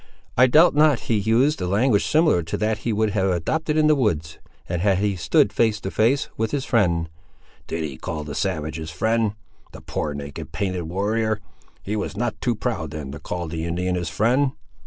"I doubt not he used a language similar to that he would have adopted in the woods, and had he stood face to face, with his friend—" "Did he call the savage his friend; the poor, naked, painted warrior? he was not too proud then to call the Indian his friend?"